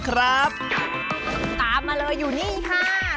ครับตามมาเลยอยู่นี่ค่ะ